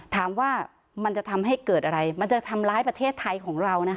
ถามว่ามันจะทำให้เกิดอะไรมันจะทำร้ายประเทศไทยของเรานะคะ